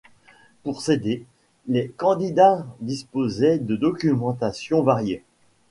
Pour s'aider, les candidats disposaient de documentation variée.